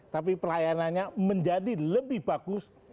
tapi pelayanannya menjadi lebih bagus